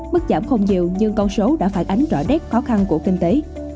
mức giảm không nhiều nhưng con số đã phản ánh rõ nét khó khăn của kinh tế